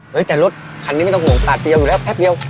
เฮ้ยแต่รถคันนี้ไม่ต้องหลงตัดเตียวอยู่แล้วแพ็ดเตียว